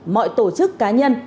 mọi tổ chức cá nhân